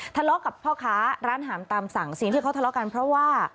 ทะเลาะกับพ่อค้าร้านหามตามสั่งสิ่งที่เขาทะเลาะกันเพราะว่า